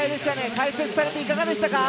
解説されていかがでしたか？